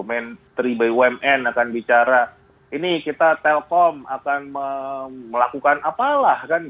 menteri bumn akan bicara ini kita telkom akan melakukan apalah